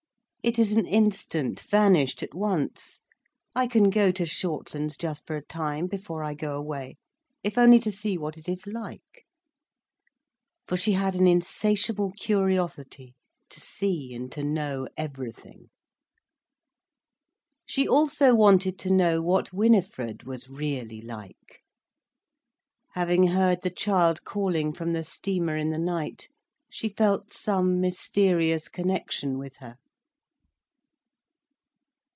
It is an instant, vanished at once. I can go to Shortlands just for a time, before I go away, if only to see what it is like." For she had an insatiable curiosity to see and to know everything. She also wanted to know what Winifred was really like. Having heard the child calling from the steamer in the night, she felt some mysterious connection with her.